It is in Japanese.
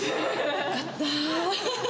よかった。